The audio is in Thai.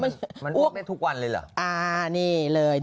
มันอ้วกได้ทุกวันเลยเหรอ